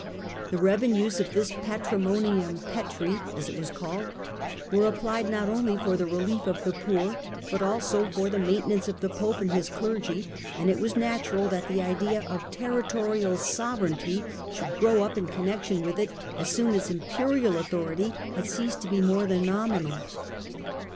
The revenues of this Patrimonium Petri, as it was called, were ap plied not only for the relief of the poor but also for the maintenance of the Pope and his clergy, and it was natural that the idea of territorial sovereignty should grow up in connection with it as soon as Imperial au thority had ceased to be more than nominal.